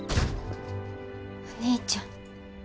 お兄ちゃん。